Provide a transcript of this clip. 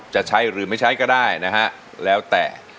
จะใช้หรือไม่ใช้ก็ได้นะฮะแล้วแต่